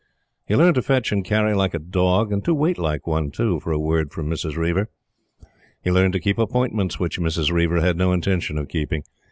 He learned to fetch and carry like a dog, and to wait like one, too, for a word from Mrs. Reiver. He learned to keep appointments which Mrs. Reiver had no intention of keeping.